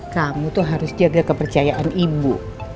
kamu tuh harus jaga kepercayaan ibu